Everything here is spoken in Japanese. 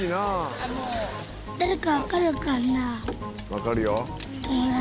「わかるよ」